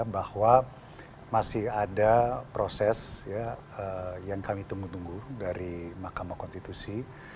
bahwa masih ada proses yang kami tunggu tunggu dari mahkamah konstitusi